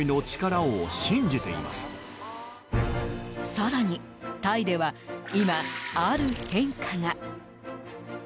更に、タイでは今ある変化が。